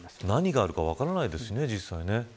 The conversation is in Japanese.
何があるか分からないですからね、実際。